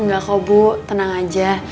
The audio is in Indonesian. enggak kok bu tenang aja